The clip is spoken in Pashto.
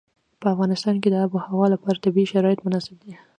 په افغانستان کې د آب وهوا لپاره طبیعي شرایط مناسب دي.